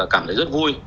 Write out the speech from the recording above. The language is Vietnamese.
cảm thấy rất vui